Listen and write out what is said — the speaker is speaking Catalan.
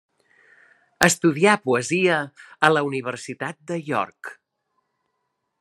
Estudià poesia a la Universitat de York.